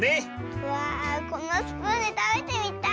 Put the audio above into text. うわこのスプーンでたべてみたい。